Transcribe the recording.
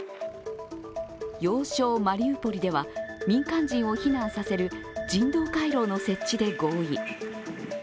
要衝マリウポリでは民間人を避難させる人道回廊の設置で合意。